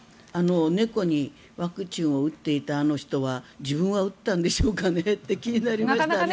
猫にワクチンを打っていたあの人は自分は打ったんでしょうかねと気になりますね。